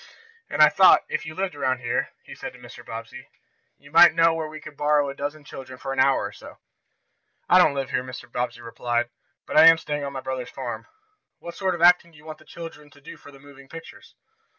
And I thought if you lived around here," he said to Mr. Bobbsey, "you might know where we could borrow a dozen children for an hour or so." "I don't live here," Mr. Bobbsey replied, "but I am staying on my brother's farm. What sort of acting do you want the children to do for the moving pictures?"